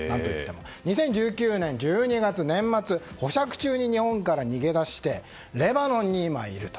２０１９年１２月年末保釈中に日本から逃げ出してレバノンに今いると。